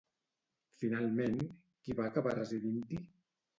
Finalment, qui va acabar residint-hi?